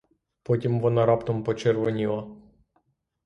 Потім вона раптом почервоніла.